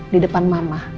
di depan mama